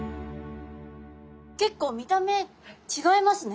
結構見た目違いますね。